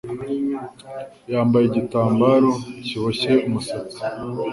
Yambaye igitambaro kiboshye umusatsi.